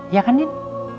yah kan din